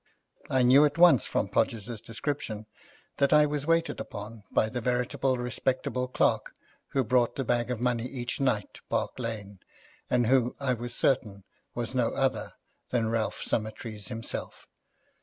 I knew at once from Podgers's description that I was waited upon by the veritable respectable clerk who brought the bag of money each night to Park Lane, and who I was certain was no other than Ralph Summertrees himself.